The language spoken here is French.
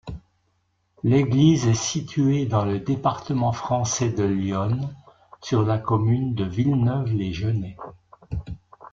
L'église est située dans le département français de l'Yonne, sur la commune de Villeneuve-les-Genêts.